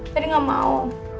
tadi ga mau